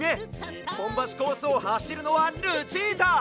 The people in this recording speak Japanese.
１ぽんばしコースをはしるのはルチータ！